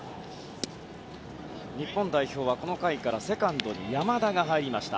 日本代表はこの回からセカンドに山田が入りました。